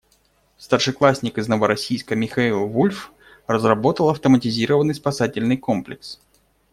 Старшеклассник из Новороссийска Михаил Вульф разработал автоматизированный спасательный комплекс.